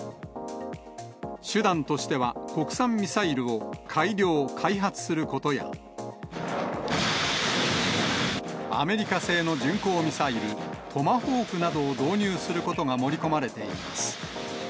手段としては、国産ミサイルを改良・開発することや、アメリカ製の巡航ミサイル、トマホークなどを導入することなどが盛り込まれています。